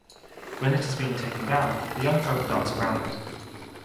When it is being taken down, the young folk dance around it.